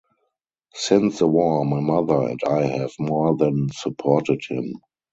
Since the war, my mother and I have more than supported him.